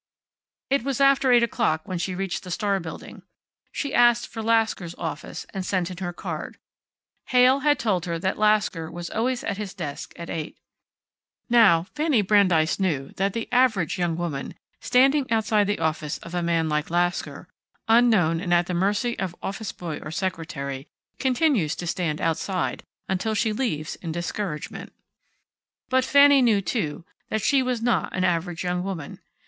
It was after eight o'clock when she reached the Star building. She asked for Lasker's office, and sent in her card. Heyl had told her that Lasker was always at his desk at eight. Now, Fanny Brandeis knew that the average young woman, standing outside the office of a man like Lasker, unknown and at the mercy of office boy or secretary, continues to stand outside until she leaves in discouragement. But Fanny knew, too, that she was not an average young woman.